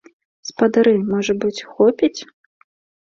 Спадары, можа быць, хопіць?